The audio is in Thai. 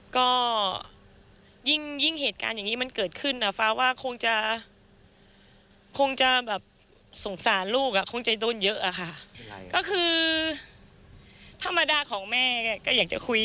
ก็อยากจะคุยกับลูกอะไรอย่างเงี้ยนะ